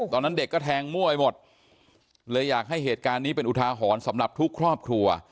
ตอนนั้นเด็กก็แทงมั่วไปหมดเลยอยากให้เหตุการณ์นี้เป็นอุทาหรณ์สำหรับทุกครอบครัว